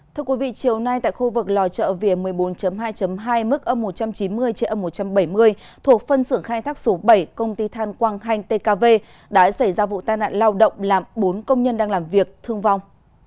thưa quý vị chiều nay tại khu vực lò chợ vỉa một mươi bốn hai hai mức âm một trăm chín mươi trên âm một trăm bảy mươi thuộc phân xưởng khai thác số bảy công ty than quang thanh tkv đã xảy ra vụ tai nạn lao động làm bốn công nhân đang làm việc thương vong